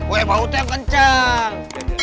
wih bautnya kenceng